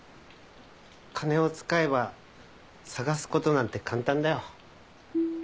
金を使えば捜す事なんて簡単だよ。